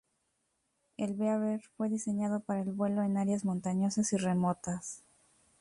El "Beaver" fue diseñado para el vuelo en áreas montañosas y remotas.